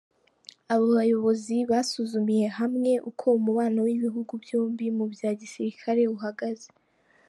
Abo bayobozi basuzumiye hamwe uko umubano w’ibihugu byombi mu bya gisirikare uhagaze.